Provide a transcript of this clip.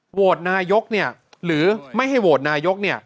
โหวตนายกเนี่ยหรือไม่ให้โหวตนายกเนี่ย